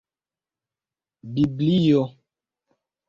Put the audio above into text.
biblio